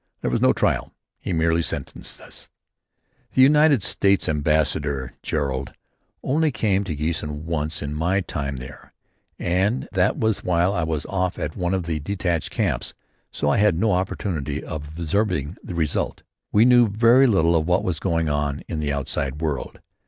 There was no trial. He merely sentenced us. United States Ambassador Gerard only came to Giessen once in my time there, and that was while I was off at one of the detached camps, so I had no opportunity of observing the result. We knew very little of what was going on in the outside world.